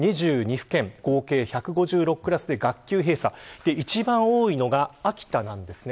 府県、合計１５６クラスで学級閉鎖、一番多いのは秋田なんですね。